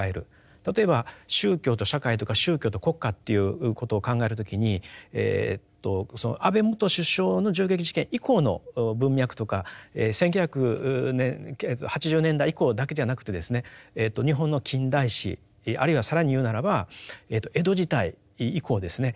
例えば宗教と社会とか宗教と国家っていうことを考える時に安倍元首相の銃撃事件以降の文脈とか１９８０年代以降だけじゃなくてですね日本の近代史あるいは更に言うならば江戸時代以降ですね